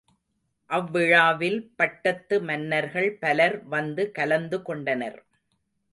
அவ்விழாவில் பட்டத்து மன்னர்கள் பலர் வந்து கலந்து கொண்டனர்.